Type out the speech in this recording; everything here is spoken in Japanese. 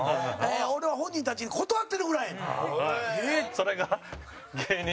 俺は、本人たちに断ってるぐらいやねん。